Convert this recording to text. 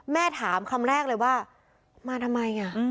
แม่ถามคำแรกเลยว่ามาทำไม